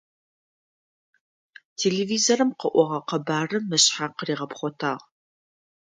Телевизорым къыӏогъэ къэбарым ышъхьэ къыригъэпхъотагъ.